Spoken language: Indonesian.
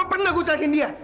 apa pernah gue cekin dia